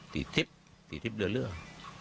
ที่ทริปที่ทริปเรื่อย